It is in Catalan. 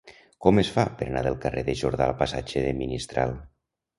Com es fa per anar del carrer de Jordà al passatge de Ministral?